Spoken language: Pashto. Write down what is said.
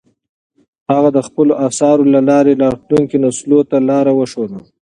هغه د خپلو اثارو له لارې راتلونکو نسلونو ته لار وښوده.